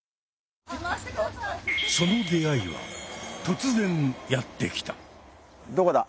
その出会いは突然やって来た！どこだ？